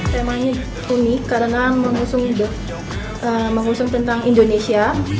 temanya unik karena mengusung tentang indonesia